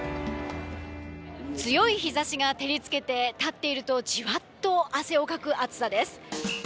強い日差しが照りつけて立っているとじわっと汗をかく暑さです。